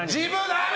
ダメ！